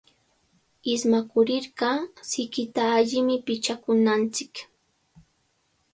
Ismakurirqa sikita allimi pichakunanchik.